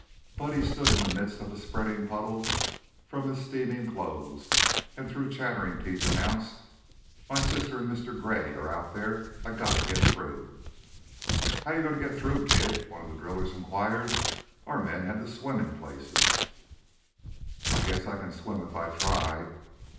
Buddy stood in the midst of a spreading puddle from his streaming clothes, and through chattering teeth announced: "My sister and Mr. Gray are out there. I gotta get through!" "How you going to get through, kid?" one of the drillers inquired. "Our men had to swim in places." "I guess I can swim, if I try.